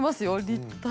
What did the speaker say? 立体。